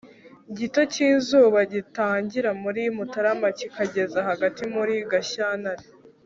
gito k'izuba gitangira muri mutarama kikageza hagati muri gashyantare